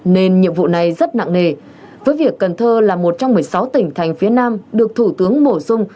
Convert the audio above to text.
nên nhiệm vụ này rất nặng nề với việc cần thơ là một trong một mươi sáu tỉnh thành phía nam được thủ tướng bổ sung